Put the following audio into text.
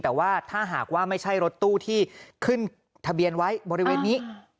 แต่ว่าถ้าหากว่าไม่ใช่รถตู้ที่ขึ้นทะเบียนไว้บริเวณนี้